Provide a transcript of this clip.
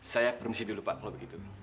saya permisi dulu pak kalau begitu